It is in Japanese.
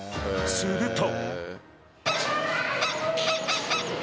すると。